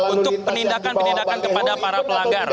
untuk penindakan penindakan kepada para pelanggar